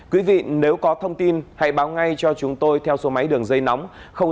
quý vị nếu có thông tin hãy báo ngay cho chúng tôi theo số máy đường dây nóng sáu nghìn chín trăm hai mươi hai